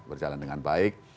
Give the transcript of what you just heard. berjalan dengan baik